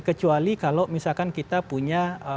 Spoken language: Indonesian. kecuali kalau misalkan kita punya